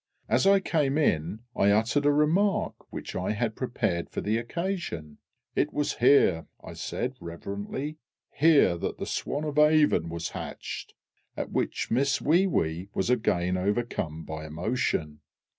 As I came in, I uttered a remark which I had prepared for the occasion. "It was here," I said, reverently, "here that the Swan of Avon was hatched!" At which Miss WEE WEE was again overcome by emotion.